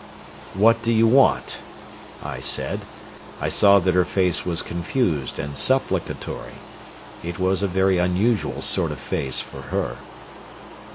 "What do you want?" I said. I saw that her face was confused and supplicatory... It was a very unusual sort of face for her.